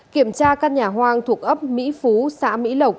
kiểm tra căn nhà hoang thuộc ấp mỹ phú xã mỹ lộc